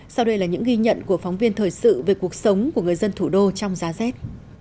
sau đây là những ghi nhận của phóng viên thời sự về cuộc sống của người dân thủ đô trong giá rét